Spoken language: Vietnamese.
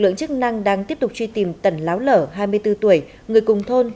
lượng chức năng đang tiếp tục truy tìm tẩn láo lở hai mươi bốn tuổi người cùng thôn